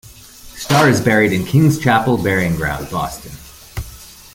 Starr is buried in King's Chapel Burying Ground, Boston.